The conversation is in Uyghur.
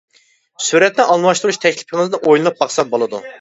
سۈرەتنى ئالماشتۇرۇش تەكلىپىڭىزنى ئويلىنىپ باقسام بولىدۇ.